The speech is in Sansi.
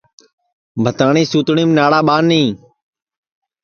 بھتاٹؔی سوتٹؔیم ناڑا ٻانی